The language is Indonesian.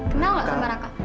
kenal gak sob raka